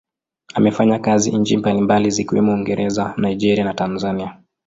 Amefanya kazi nchi mbalimbali zikiwemo Uingereza, Nigeria na Tanzania.